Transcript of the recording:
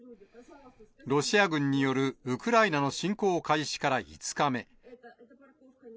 ロシア軍によるウクライナの侵攻開始から５日目。